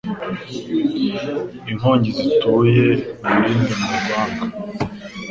inkongi zituye imilindi mu rwanga;